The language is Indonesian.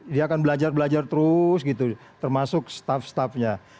dia akan belajar belajar terus gitu termasuk staff staffnya